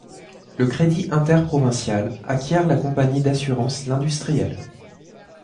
Le Crédit interprovincial acquiert la compagnie d'assurance L'Industrielle.